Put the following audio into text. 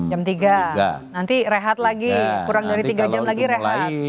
jam tiga nanti rehat lagi kurang dari tiga jam lagi rehat